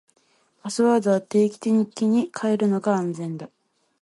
パスワードは定期的に変えるのが安全だ。